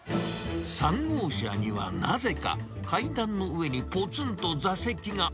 ３号車にはなぜか、階段の上にぽつんと座席が。